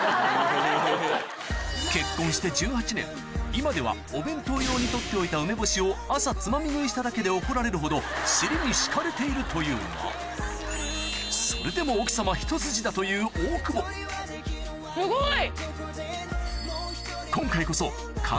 今ではお弁当用に取っておいた梅干しを朝つまみ食いしただけで怒られるほど尻に敷かれているというがそれでも奥様ひと筋だという大久保すごい！